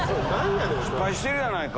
失敗してるやないか。